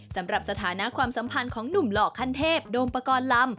สำหรับสถานะความสัมพันธ์ของหนุ่มหล่อขั้นเทพโดมปกรณ์ลำ